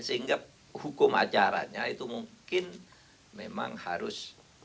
sehingga hukum acaranya itu mungkin memang harus